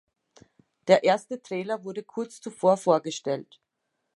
Der erste Trailer wurde kurz zuvor vorgestellt.